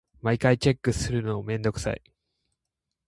毎回チェックするのめんどくさい。